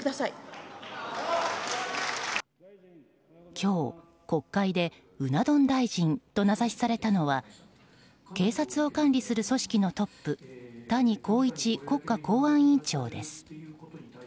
今日、国会でうな丼大臣と名指しされたのは警察を管理する組織のトップ谷公一国家公安委員長です。